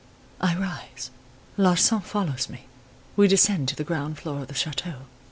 "I rise; Larsan follows me; we descend to the ground floor of the chateau.